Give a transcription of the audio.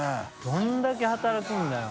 どれだけ働くんだよ。